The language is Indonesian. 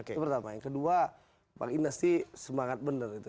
itu pertama yang kedua bang inas sih semangat bener